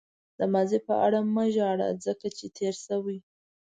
د ماضي په اړه مه ژاړه ځکه چې تېر شوی.